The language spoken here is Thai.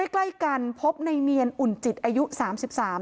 ใกล้ใกล้กันพบในเมียนอุ่นจิตอายุสามสิบสาม